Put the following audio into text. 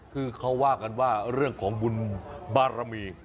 คือเขาว่ากันว่าเรื่องของบุญบารมี